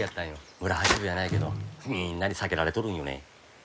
村八分やないけどみんなに避けられとるんよね。